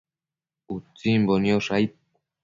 Utsimbo niosh aid